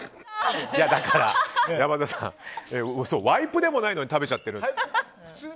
山添さん、ワイプでもないのに食べちゃってる！